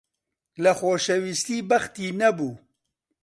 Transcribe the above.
لە خۆشەویستی بەختی نەبوو.